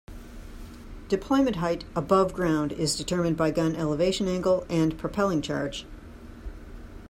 Deployment height above ground is determined by gun elevation angle and propelling charge.